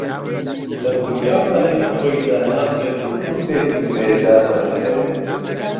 لە خولیا و بەهرەی خۆی دانابڕێت و گرووپێکی نوێ دادەمەژرێنێت